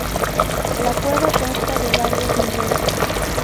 La cueva consta de varios niveles.